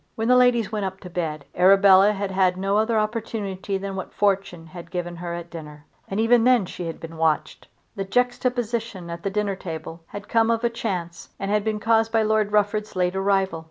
When the ladies went up to bed Arabella had had no other opportunity than what Fortune had given her at dinner. And even then she had been watched. That juxtaposition at the dinner table had come of chance and had been caused by Lord Rufford's late arrival.